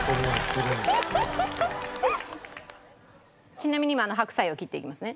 ちなみに今白菜を切っていきますね。